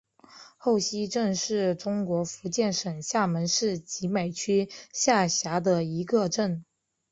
后溪镇是中国福建省厦门市集美区下辖的一个镇。